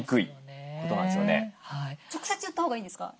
直接言ったほうがいいんですか？